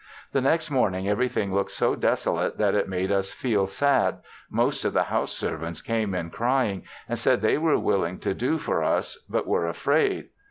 The next morning everything looked so desolate that it made us feel sad, most of the house servants came in crying, and said they were willing to do for us, but were afraid.